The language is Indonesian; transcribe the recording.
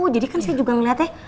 jadi kan saya juga ngeliatnya